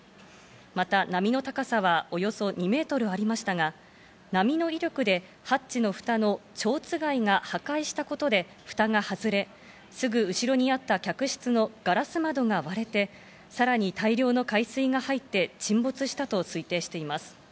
また、波の高さはおよそ２メートルありましたが、波の威力でハッチの蓋の蝶番が破壊したことで、蓋が外れ、すぐ後ろにあった客室のガラス窓が割れ、さらに大量の海水が入って、沈没したと推定しています。